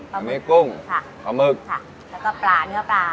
ก็มีกุ้งปลาหมึกค่ะแล้วก็ปลาเนื้อปลา